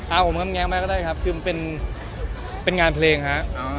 เอางำแง้มาก็ได้ครับคือเป็นงานเพลงฮะ